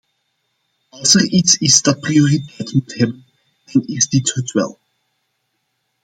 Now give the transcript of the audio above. Als er iets is dat prioriteit moet hebben, dan is dit het wel!